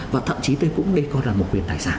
và thậm chí đây cũng đây còn là một quyền tài sản